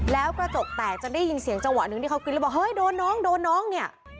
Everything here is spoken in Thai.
แล้วกระจกแตกจะได้ยินเสียงจังหวะหนึ่งที่เขากินแล้วบอกเฮ้ยโดนน้องโดนน้องเนี่ย